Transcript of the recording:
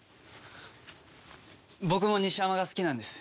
僕も西山が好きなんです。